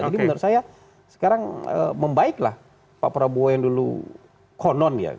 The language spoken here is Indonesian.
jadi menurut saya sekarang membaiklah pak prabowo yang dulu konon ya